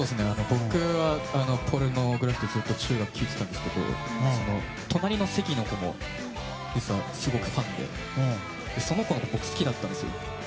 僕は、ポルノグラフィティずっと中学から聴いてたんですけど隣の席の子も実はすごくファンでその子のこと僕、好きだったんですよ。